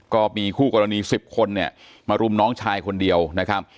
ก็มีคู่กรณี๑๐คนเนี่ยมารุมน้องชายคนเดียวนะครับ